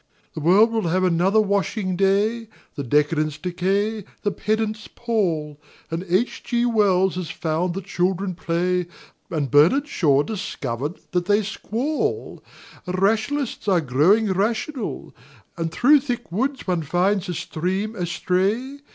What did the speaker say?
The world will have another washing day; The decadents decay; the pedants pall; And H. O. Wells has found that children play. And Bernard Shaw discovered that they squall; nationalists are growing rational — And through thick woods one finds a stream astray.